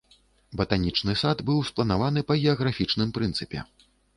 Батанічны сад быў спланаваны па геаграфічным прынцыпе.